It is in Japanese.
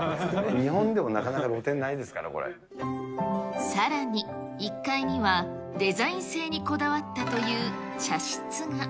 日本でもなかなか露天ないですかさらに、１階には、デザイン性にこだわったという茶室が。